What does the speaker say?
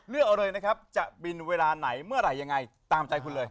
เลือกเอาเลยนะครับจะบินเวลาไหนเมื่อไหร่ยังไงตามใจคุณเลย